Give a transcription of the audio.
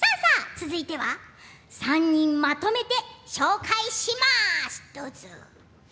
続いては３人まとめて紹介します。